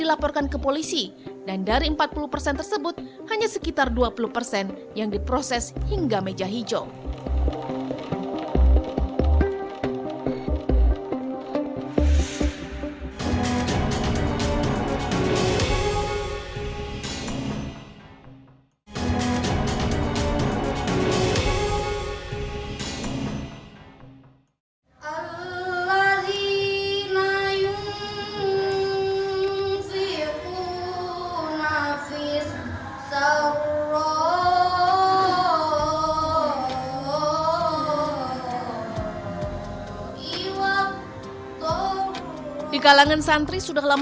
saya diam saya menunduk saya diam